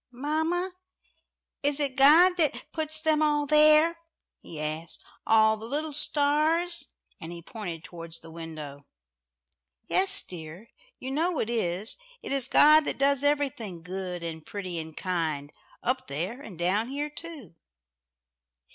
"Mamma, is it God that puts them all there?" he asked. "All the little stars?" and he pointed towards the window. "Yes, dear. You know it is. It is God that does everything good and pretty and kind up there and down here too."